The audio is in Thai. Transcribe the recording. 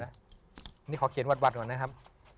นี่ขอเขียนหวัดก่อนนะครับ